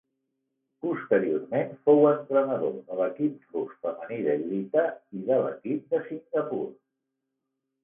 Posteriorment fou entrenador de l'equip rus femení de lluita i de l'equip de Singapur.